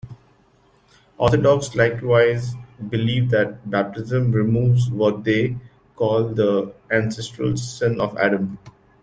Orthodox likewise believe that baptism removes what they call the ancestral sin of Adam.